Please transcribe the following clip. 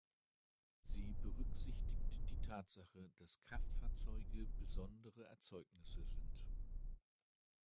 Sie berücksichtigt die Tatsache, dass Kraftfahrzeuge besondere Erzeugnisse sind.